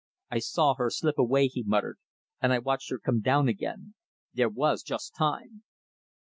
"I saw her slip away," he muttered, "and I watched her come down again. There was just time."